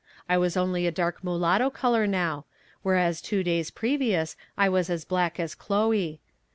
I was only a dark mulatto color now, whereas two days previous I was as black as Cloe.